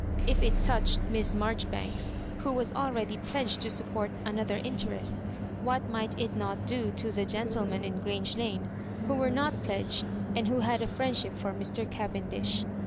If it touched Miss Marjoribanks, who was already pledged to support another interest, what might it not do to the gentlemen in Grange Lane who were not pledged, and who had a friendship for Mr. Cavendish